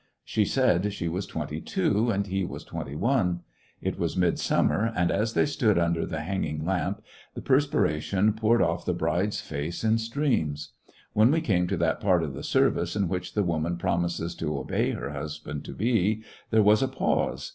She said she was twenty two and he was twenty one. It was midsummer, and as they stood under the hanging lamp the perspiration poured off the bride's face in streams. When we came to that part of the service in which the woman promises to obey her husband to be, there was a pause.